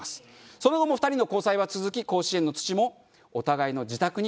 その後も２人の交際は続き甲子園の土もお互いの自宅に飾られます。